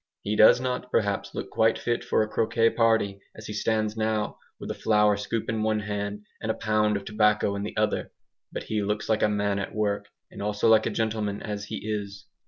He does not perhaps look quite fit for a croquet party as he stands now, with a flour scoop in one hand and a pound of tobacco in the other. But he looks like a man at work, and also like a gentleman, as he is.